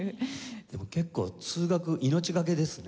でも結構通学命がけですね。